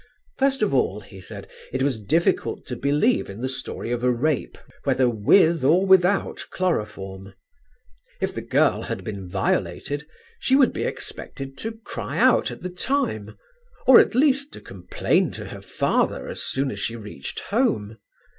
First of all, he said, it was difficult to believe in the story of rape whether with or without chloroform. If the girl had been violated she would be expected to cry out at the time, or at least to complain to her father as soon as she reached home.